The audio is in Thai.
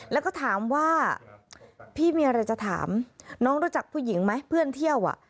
แล้วก็ถามว่าพี่มีอะไรจะถามน้องรู้จักผู้หญิงไหมเพื่อนเที่ยวอ่ะ